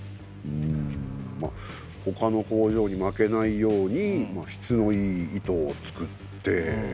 んまあほかの工場に負けないように質のいい糸を作って。